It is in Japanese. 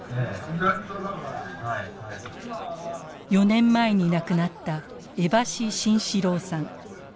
４年前に亡くなった江橋慎四郎さん。